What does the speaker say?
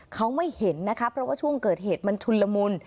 เขาไม่เห็นนะคะเพราะว่าช่วงเกิดเหตุมันชุนละมุน